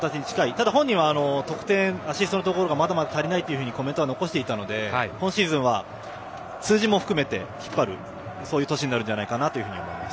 ただ、本人は得点、アシストのところがまだまだ足りないとコメントを残していたので今シーズンは数字も含めて引っ張るそういう年になるんじゃないかなと思います。